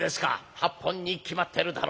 「８本に決まってるだろ。